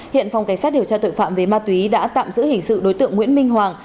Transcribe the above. hiện phòng cảnh sát điều tra tội phạm về ma túy đã tạm giữ hình sự đối tượng nguyễn minh hoàng